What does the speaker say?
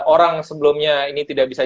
orang sebelumnya ini tidak bisa